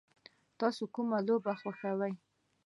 تاسو کومه لوبه خوښوئ؟